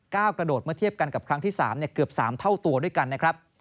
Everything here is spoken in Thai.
กระโดดเมื่อเทียบกันกับครั้งที่๓เกือบ๓เท่าตัวด้วยกันนะครับ